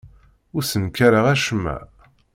Ur ssenkareɣ acemma.